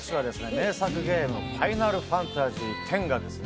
名作ゲームの「ファイナルファンタジーＸ」がですね